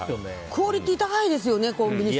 クオリティー高いですよね。